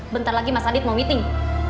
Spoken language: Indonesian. bentar lagi mas adit mau meeting